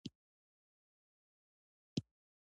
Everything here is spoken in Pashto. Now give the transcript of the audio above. دا دوره له څلورو پړاوونو جوړه شوې ده